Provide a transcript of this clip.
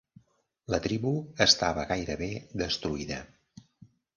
La tribu estava gairebé destruïda.